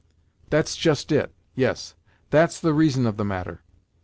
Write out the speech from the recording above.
"That's just it yes, that's the reason of the matter.